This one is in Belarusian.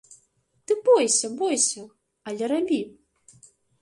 Ты бойся, бойся, але рабі.